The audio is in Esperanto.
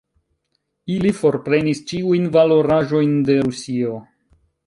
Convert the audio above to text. Ili forprenis ĉiujn valoraĵojn de Rusio.